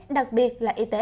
đặc biệt là y tế